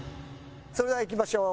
それではいきましょう。